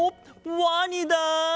ワニだ！